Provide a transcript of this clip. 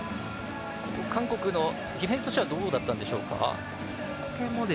韓国のディフェンスとしてはどうだったでしょうか。